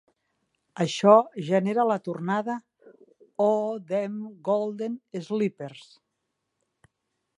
Això genera la tornada: Oh, dem golden slippers!